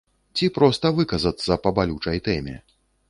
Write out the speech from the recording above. Ці проста выказацца па балючай тэме.